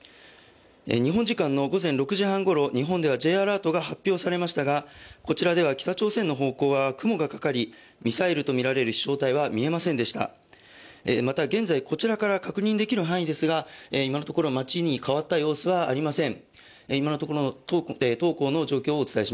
日本時間の午前６時半ごろ日本ではＪアラートが発出されましたがこちらでは北朝鮮の方向は雲がかりミサイルとみられる飛翔体は見えませんでした、また現在こちらから確認できる範囲ですが今のところ街に変わった様子はありません。